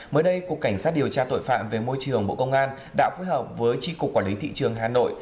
mới đây cục cảnh sát điều tra tội phạm về môi trường bộ công an đã phối hợp với tri cục quản lý thị trường hà nội